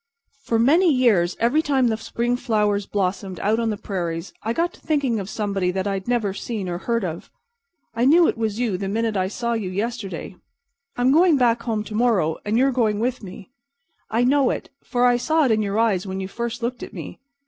"For many years every time the spring flowers blossomed out on the prairies I got to thinking of somebody that I'd never seen or heard of. I knew it was you the minute I saw you yesterday. I'm going back home to morrow, and you're going with me. I know it, for I saw it in your eyes when you first looked at me.